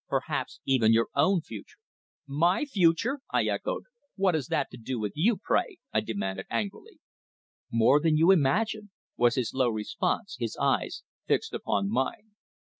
"Perhaps even your own future." "My future!" I echoed. "What has that to do with you, pray?" I demanded angrily. "More than you imagine," was his low response, his eyes fixed upon mine.